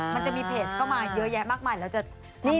มันจะมีเพจเข้ามาเยอะแยะมากมายแล้วจะนี่